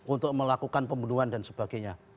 untuk melakukan pembunuhan dan sebagainya